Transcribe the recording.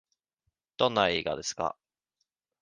どんな映画ですか。